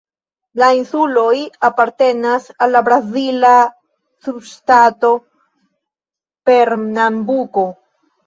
La insuloj apartenas al la brazila subŝtato Pernambuko.